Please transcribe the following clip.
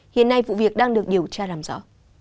hiện nay vụ việc đang được điều tra làm rõ